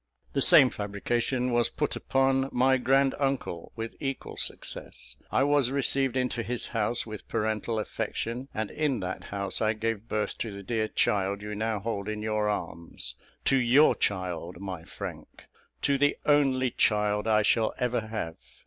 The same fabrication was put upon my grand uncle, with equal success. I was received into his house with parental affection; and in that house I gave birth to the dear child you now hold in your arms to your child, my Frank to the only child I shall ever have.